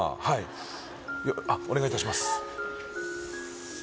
はいあっお願いいたします